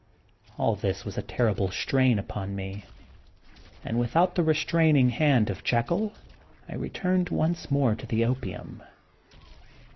All this was a terrible strain upon me, and without the restraining hand of Jekyll, I 40 The Untold Sequel of returned once more to the opium.